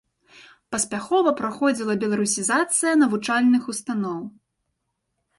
Паспяхова праходзіла беларусізацыя навучальных устаноў.